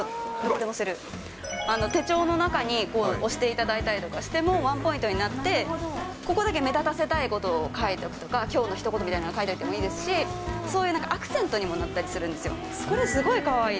手帳の中に押していただいたりとかしても、ワンポイントになって、ここだけ目立たせたいことを書いておくとか、きょうのひと言みたいなのを書いといてもいいですし、そういうなんか、アクセントにもなったりするんですよ。